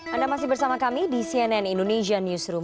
anda masih bersama kami di cnn indonesia newsroom